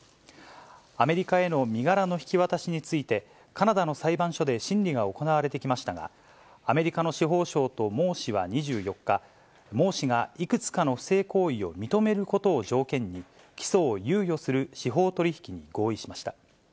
アメリカへの身柄の引き渡しについて、カナダの裁判所で審理が行われてきましたが、アメリカの司法省と孟氏は２４日、孟氏がいくつかの不正行為を認めることを条件に、起訴を猶予する司法取引に合意しました。